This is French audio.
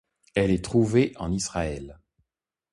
Elle est trouvée en Israël.